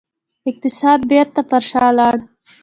اقتصاد بیرته پر شا لاړ.